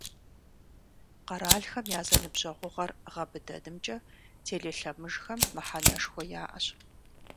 Къэралхэм я зэныбжьэгъугъэр гъэбыдэнымкӏэ телелъэмыжхэм мыхьэнэшхуэ яӏэщ.